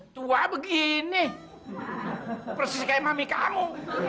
tua begini persis kayak mami kamu